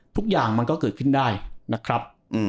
ทุกอย่างมันก็เกิดขึ้นได้นะครับ